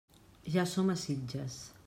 Ja som a Sitges.